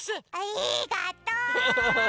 ありがとう！